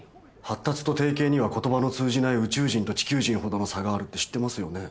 「発達」と「定型」には言葉の通じない宇宙人と地球人ほどの差があるって知ってますよね？